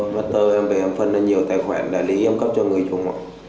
master em về em phân lên nhiều tài khoản đại lý em cấp cho người chung